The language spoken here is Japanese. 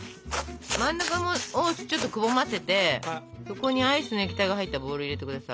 真ん中をちょっとくぼませてそこにアイスの液体が入ったボウルを入れて下さい。